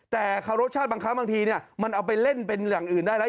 แต่เคารพชาติบางครั้งบางทีมันเอาไปเล่นเป็นอย่างอื่นได้แล้ว